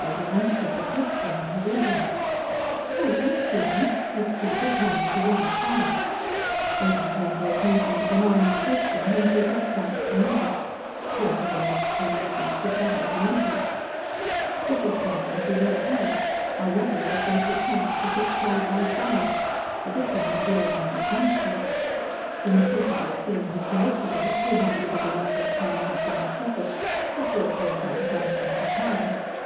Lady Anstruthers looked for him with eagerness. "Oh, I see him! Next to the big one with the reddish hair." Betty turned her attention to the man in question, whom she had not chanced to notice. She uttered an exclamation of surprise and interest. "The big man with the red hair. How lovely that they should chance to sit side by side the big one is Lord Mount Dunstan!" The necessity of seeing his solicitors, who happened to be Messrs. Townlinson & Sheppard, had brought Lord Mount Dunstan to town.